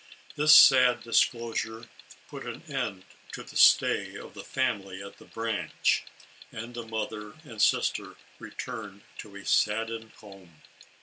This sad disclosure put an end to the stay of the family at the Branch, and the mother and sister returned to a saddened home.